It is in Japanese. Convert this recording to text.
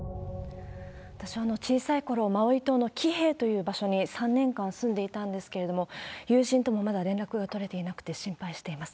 私、小さいころ、マウイ島のキヘイという場所に３年間住んでいたんですけれども、友人ともまだ連絡が取れていなくて、心配しています。